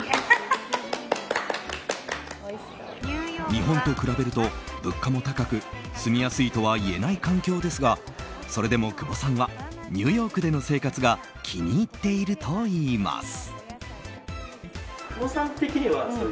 日本と比べると物価も高く住みやすいとは言えない環境ですがそれでも久保さんはニューヨークでの生活が気に入っているといいます。